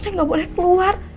saya enggak boleh keluar